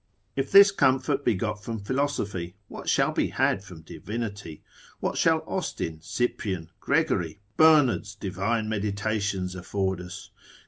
If this comfort be got from philosophy, what shall be had from divinity? What shall Austin, Cyprian, Gregory, Bernard's divine meditations afford us?